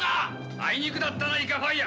あいにくだったなイカファイア！